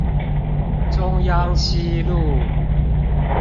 中央西路